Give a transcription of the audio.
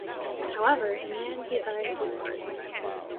However, in the end he decided to take part.